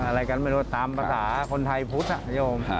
อะไรกันไม่รู้ตามภาษาคนไทยพุทธนโยม